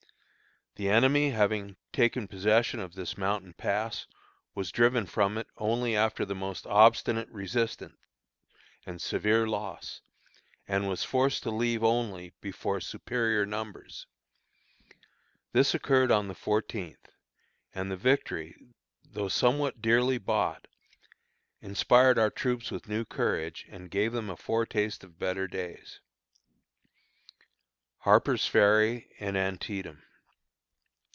The enemy having taken possession of this mountain pass, was driven from it only after the most obstinate resistance and severe loss, and forced to leave only before superior numbers. This occurred on the fourteenth; and the victory, though somewhat dearly bought, inspired our troops with new courage, and gave them a foretaste of better days. HARPER'S FERRY AND ANTIETAM.